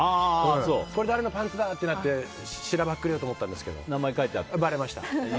これ誰のパンツだ？ってなってしらばっくれたんですけどばれました。